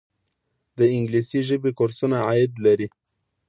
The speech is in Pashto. د انګلیسي ژبې کورسونه عاید لري؟